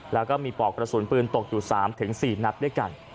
แล้วก็มีปอกกระสุนปืนตกอยู่สามถึงสี่นับด้วยกัน